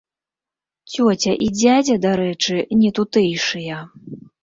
Цёця і дзядзя, дарэчы, не тутэйшыя.